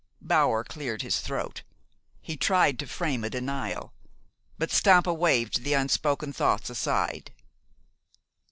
Bower cleared his throat. He tried to frame a denial; but Stampa waved the unspoken thought aside.